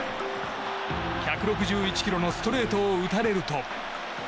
１６１キロのストレートを打たれると。